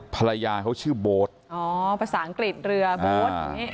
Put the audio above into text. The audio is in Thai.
ภรรยาเขาชื่อโบสต์อ๋อภาษาอังกฤษเรือโบสต์